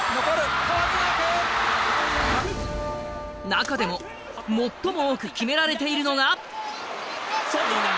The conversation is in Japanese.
中でも最も多く決められているのが。